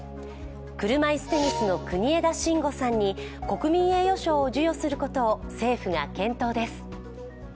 車いすテニスの国枝慎吾さんに国民栄誉賞を授与することを政府が検討です。